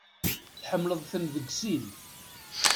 Tḥemmleḍ-ten deg sin.